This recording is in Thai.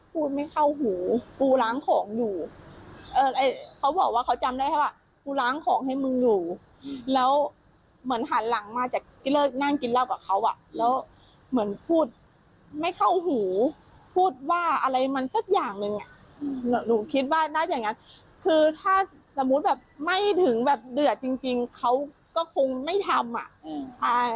พำุงไม่ทำอ่านี่คือเข้าใจอยู่ว่าเขาเป็นอารมณ์โมโหร้าย